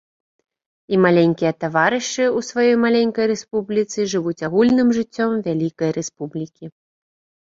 І маленькія таварышы ў сваёй маленькай рэспубліцы жывуць агульным жыццём вялікай рэспублікі.